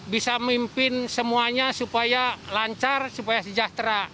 bisa mimpin semuanya supaya lancar supaya sejahtera